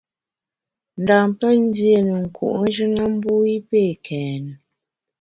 Ndam pé ndié ne nku’njù na mbu i pé kèn.